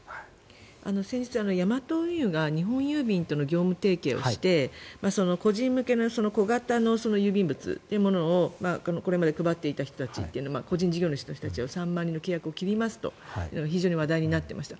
先日、ヤマト運輸が日本郵便との業務提携をして個人向けの小型の郵便物というものをこれまで配っていた人たち個人事業主の人たち３万人の契約を切りますというのが非常に話題になっていました。